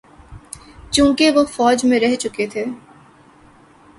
چونکہ وہ فوج میں رہ چکے تھے۔